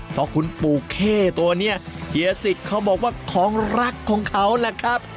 เพราะคุณปู่เข้ตัวนี้เฮียสิทธิ์เขาบอกว่าของรักของเขาแหละครับ